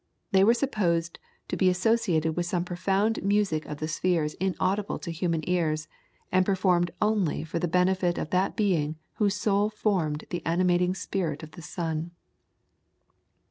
They were supposed to be associated with some profound music of the spheres inaudible to human ears, and performed only for the benefit of that being whose soul formed the animating spirit of the sun.